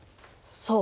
そう。